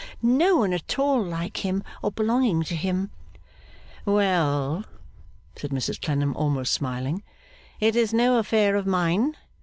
No one at all like him, or belonging to him.' 'Well!' said Mrs Clennam, almost smiling. 'It is no affair of mine.